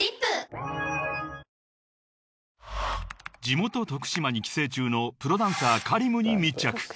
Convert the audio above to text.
［地元徳島に帰省中のプロダンサーＫａｒｉｍに密着］